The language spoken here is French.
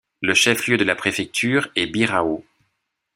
Le chef-lieu de la préfecture est Birao.